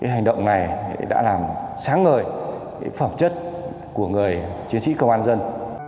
hành động này đã làm sáng ngời phẩm chất của người chiến sĩ công an dân